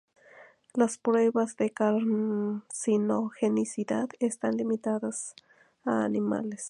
Las pruebas de carcinogenicidad están limitadas a animales.